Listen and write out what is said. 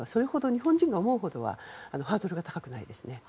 日本人が思うほどはハードルは高くないですね。